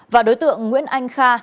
và đối tượng nguyễn anh kha